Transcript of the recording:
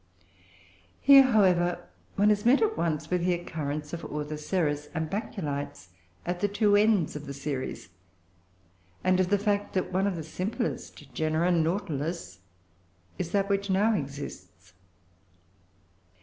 Here, however, one is met at once with the occurrence of Orthoceras and Baculites at the two ends of the series, and of the fact that one of the simplest genera, Nautilus, is that which now exists.